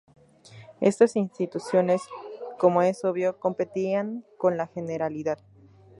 Estas instituciones, como es obvio, competían con la Generalidad.